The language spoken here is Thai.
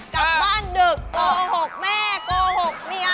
กลับบ้านดึกกล้อหกแม่กล้อหกเนี่ย